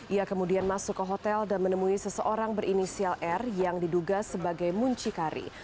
ia kemudian masuk ke hotel dan menemui seseorang berinisial r yang diduga sebagai muncikari